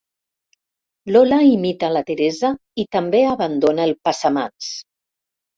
Lola imita la Teresa i també abandona el passamans.